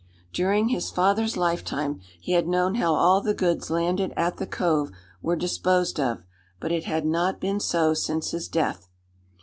During his father's lifetime he had known how all the goods landed at the Cove were disposed of; but it had not been so since his death.